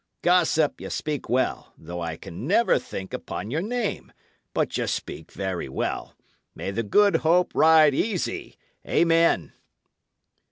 Gossip, ye speak well, though I can never think upon your name; but ye speak very well. May the Good Hope ride easy! Amen!"